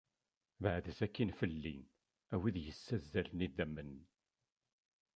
Beɛdet akkin fell-i a wid yessazzalen idammen!